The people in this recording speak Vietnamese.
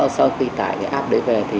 sau khi tải cái app đấy về thì